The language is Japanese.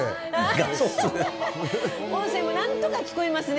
音声も何とか聞こえますね。